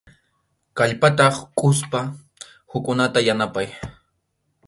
Kallpata quspa hukkunata yanapay.